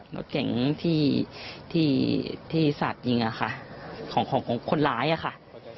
รถเก๋งที่สัดยิงค่ะของคนร้ายค่ะ